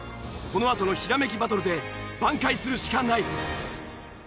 このあとのひらめきバトルで挽回するしかない。